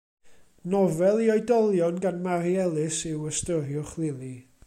Nofel i oedolion gan Mari Ellis yw Ystyriwch Lili.